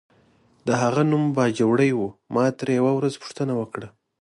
د هغه نوم باجوړی و، ما ترې یوه ورځ پوښتنه وکړه.